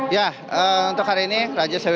ya untuk hari ini raja salman